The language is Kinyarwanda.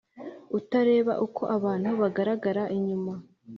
utareba uko abantu bagaragara inyuma